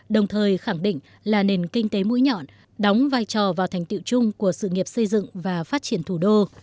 đồng thời khẳng định là nền kinh tế mũi nhọn đóng vai trò vào thành tiệu chung của sự nghiệp xây dựng và phát triển thủ đô